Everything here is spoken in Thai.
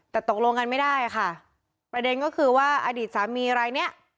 แต่ตกลงกันไม่ได้ค่ะประเด็นก็คือว่าอดีตสามีรายเนี้ย